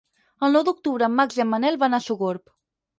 El nou d'octubre en Max i en Manel van a Sogorb.